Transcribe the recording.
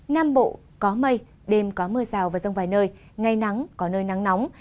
nam bộ có mây đêm có mưa rào và rông vài nơi ngày nắng có nơi nắng nóng